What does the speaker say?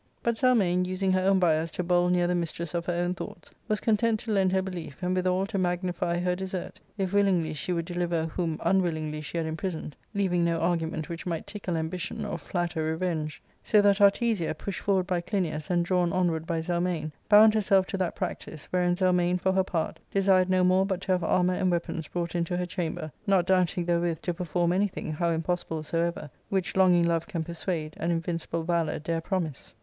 But Zelmane, using her own bias to bowl near the mistress* of her own thoughts, was con tent to lend her belief, and withal, to magnify her desert, if willingly she would deliver whom unwillingly she had im prisoned, leaving no argument which might tickle ambition or flatter revenge ; so that Artesia, pushed forward by Clinias, and drawn onward by Zelmane, bound herself to that practice, wherein Zelmane, for her part, desired no more but to have armour and weapons brought into her chamber, not doubting therewith to perform anything, how impossible soever, which longing love can persuade, and invincible valour dare promise.